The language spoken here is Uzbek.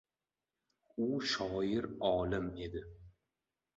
U shoir olim edi.